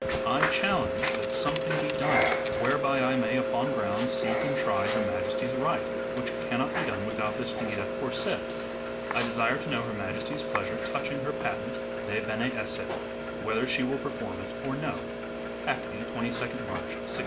I challenge that something be done whereby I may, upon ground, seek and try Her Majesty's right, which cannot be done without this deed afore said. I desire to know Her Majesty's pleasure touching her patent (de bene esse) whether she will perform it or no." Hackney, 22nd March, 1601.